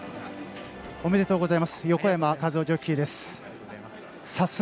おめでとうございます。